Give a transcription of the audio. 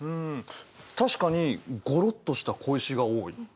確かにゴロッとした小石が多い。